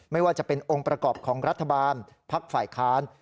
ไม่ว่าจะเป็นองค์ประกอบของรัฐบาลภักดิ์ฝ่ายค้าน